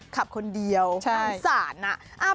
ขับคนเดียวอันสารอ่ะใช่